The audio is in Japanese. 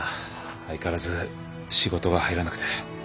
相変わらず仕事が入らなくて。